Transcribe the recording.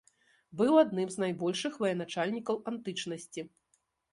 Быў адным з найбольшых ваеначальнікаў антычнасці.